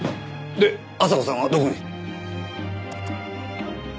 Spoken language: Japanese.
で阿佐子さんはどこに？